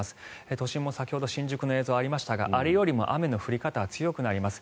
都心も先ほど新宿の映像がありましたがあれよりも雨の降り方は強くなります。